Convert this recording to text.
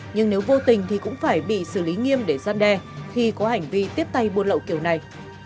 nhưng nếu vô tình thì cũng phải bị xử lý nghiêm để gian đe khi có hành vi tiếp tay buôn lậu kiểu này